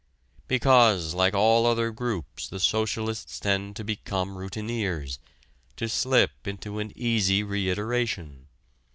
Because, like all other groups, the socialists tend to become routineers, to slip into an easy reiteration.